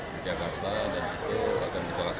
kemudian kita bisa menyumbangkan yang terbaik